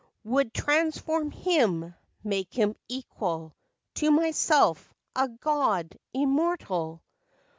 Would transform him—make him equal To myself—a god, immortal.